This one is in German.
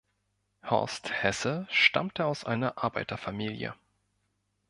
Horst Hesse stammte aus einer Arbeiterfamilie.